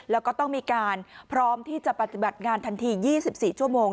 แล้วก็ต้องมีการพร้อมที่จะปฏิบัติงานทันที๒๔ชั่วโมง